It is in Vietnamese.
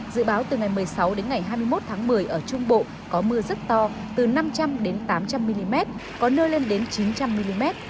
dự báo từ ngày một mươi sáu đến ngày hai mươi một tháng một mươi ở trung bộ có mưa rất to từ năm trăm linh đến tám trăm linh mm có nơi lên đến chín trăm linh mm